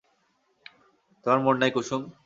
তোমার মন নাই কুসুম?